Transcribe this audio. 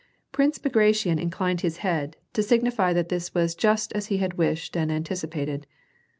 Prince Bagration inclined his head, to signify that this was just as he had wished and anticipated.